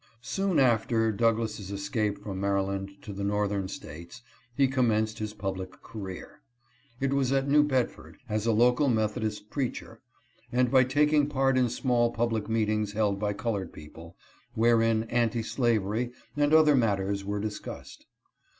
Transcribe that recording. Soon after Douglass' escape from Maryland to the Northern States, he commenced his public career. It was at New Bedford, as a local Methodist preacher, and by taking part in small public meetings held by colored people, wherein anti slavery and other 22 INTRODUCTION. matters were discussed.